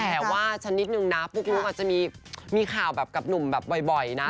แต่ว่าชนิดนึงนะปุ๊กลุ๊กอาจจะมีข่าวแบบกับหนุ่มแบบบ่อยนะ